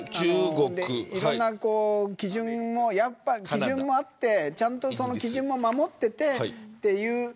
いろんな基準もあってちゃんとその基準も守っていてという。